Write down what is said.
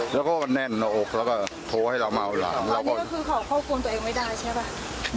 แล้วก็แน่นหน้าอกแล้วก็โทรให้เราเมาหลังเราก็คือเขาควบคุมตัวเองไม่ได้ใช่ป่ะ